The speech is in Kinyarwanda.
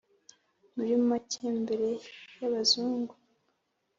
Muri make, mbere y'Abazungu,